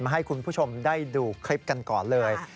ให้คุณผู้ชมได้ดูคลิปกันก่อนเลย